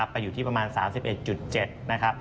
ไปอยู่ที่ประมาณ๓๑๗บาท